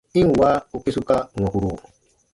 I ǹ wa u kesuka wɔ̃kuru!